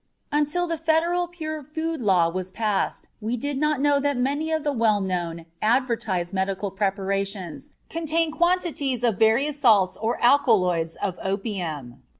Until the Federal Pure Food Law was passed we did not know that many of the well known, advertised medical preparations contained quantities of various salts or alkaloids of opium.